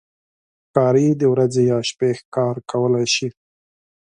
ښکاري د ورځې یا شپې ښکار کولی شي.